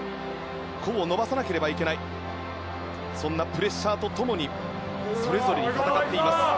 個を伸ばさなければいけないそんなプレッシャーと共にそれぞれに戦っています。